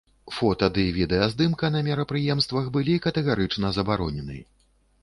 Фота ды відэаздымка на мерапрыемствах былі катэгарычна забаронены.